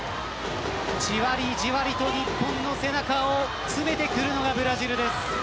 じわり、じわりと日本の背中を詰めてくるのがブラジルです。